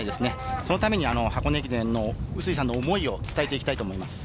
そのために箱根駅伝の碓井さんの思いを伝えていきたいと思います。